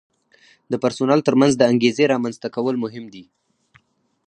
د پرسونل ترمنځ د انګیزې رامنځته کول مهم دي.